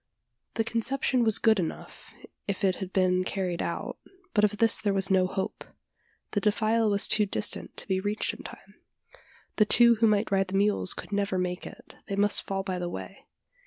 The conception was good enough, if it could have been carried out, but of this there was no hope. The defile was too distant to be reached in time. The two who might ride the mules could never make it they must fall by the way.